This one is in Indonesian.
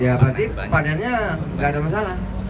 ya berarti padannya tidak ada masalah